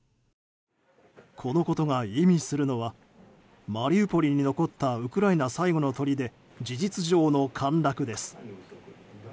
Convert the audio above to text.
このことが意味するのはマリウポリに残ったウクライナ最後のとりで事実上の陥落です。